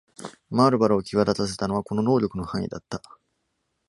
マールバラを際立たせたのはこの能力の範囲だった。